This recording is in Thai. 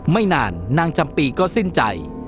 ไม่นานนางจำปีก็สิ้นใจ